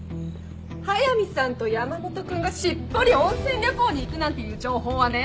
速見さんと山本君がしっぽり温泉旅行に行くなんていう情報はね